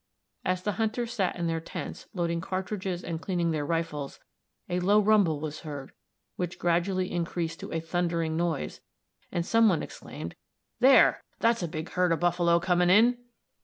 As the hunters sat in their tents, loading cartridges and cleaning their rifles, a low rumble was heard, which gradually increased to "a thundering noise," and some one exclaimed, "There! that's a big herd of buffalo coming in!"